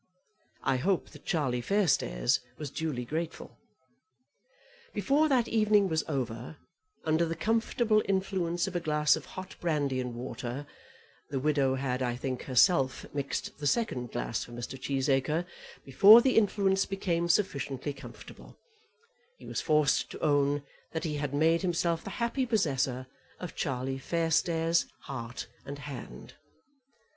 I hope that Charlie Fairstairs was duly grateful. Before that evening was over, under the comfortable influence of a glass of hot brandy and water, the widow had, I think, herself mixed the second glass for Mr. Cheesacre, before the influence became sufficiently comfortable, he was forced to own that he had made himself the happy possessor of Charlie Fairstairs' heart and hand.